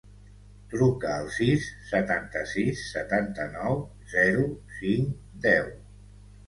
Truca al sis, setanta-sis, setanta-nou, zero, cinc, deu.